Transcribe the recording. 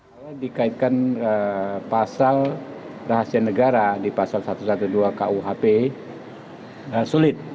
kalau dikaitkan pasal rahasia negara di pasal satu ratus dua belas kuhp sulit